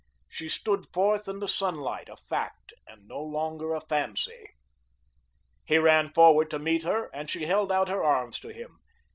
She stood forth in the sunlight, a fact, and no longer a fancy. He ran forward to meet her and she held out her arms to him.